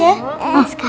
jangan nangis ya